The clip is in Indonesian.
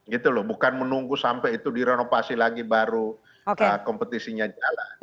gitu loh bukan menunggu sampai itu direnovasi lagi baru kompetisinya jalan